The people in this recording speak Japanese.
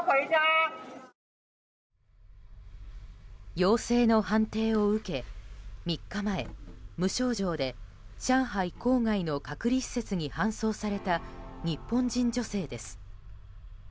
陽性の判定を受け、３日前無症状で上海郊外の隔離施設に搬送された日本人女性です。